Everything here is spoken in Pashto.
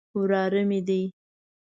وراره مې دی.